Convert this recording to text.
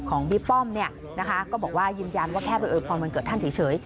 ของบี๊พล้อมก็บอกว่ายืมย้านว่าแค่ไปเอ่ออวยพรวันเกิดท่านเฉย